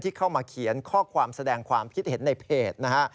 เข้ามาเขียนข้อความแสดงความคิดเห็นในเพจนะฮะ